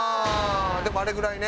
でもあれぐらいね。